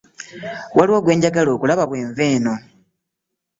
Waliwo gwe njagala okulaba bwe nva eno.